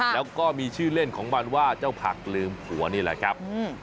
แล้วก็มีชื่อเล่นของมันว่าเจ้าผักลืมผัวนี่แหละครับ